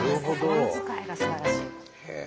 心遣いがすばらしい。